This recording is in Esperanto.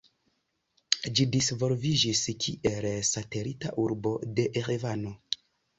Ĝi disvolviĝis kiel satelita urbo de Erevano.